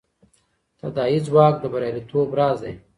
تداعي ځواک د بریالیتوب راز دی.